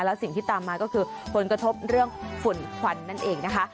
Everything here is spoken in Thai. แล้วสิ่งที่ตามมาก็คือผลกระทบเรื่องฝุ่นควันนั่นเองนะคะ